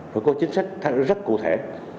phải có chính sách rất cụ thể